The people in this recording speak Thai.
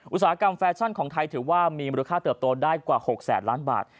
อุตสาหกรรมแฟชั่นของไทยถือว่ามีมูลค่าเติบโตได้กว่า๖แสนล้านบาท